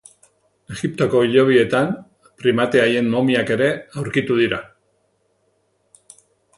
Egiptoko hilobietan primate haien momiak ere aurkitu dira.